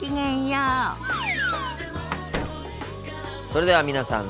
それでは皆さん